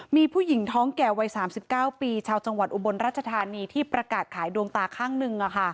มีผู้หญิงท้องแก่วัย๓๙ปีชาวจังหวัดอุบลราชธานีที่ประกาศขายดวงตาข้างหนึ่ง